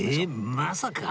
まさか